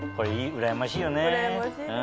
うらやましいです。